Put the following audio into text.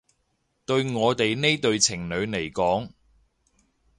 對我哋呢對情侶嚟講